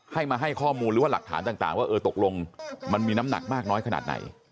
ให้มาให้ข้อมูลหรือว่าหลักฐานต่างว่าเออตกลงมันมีน้ำหนักมากน้อยขนาดไหน